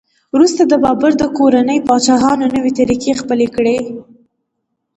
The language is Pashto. وروسته د بابر د کورنۍ پاچاهانو نوې طریقې خپلې کړې.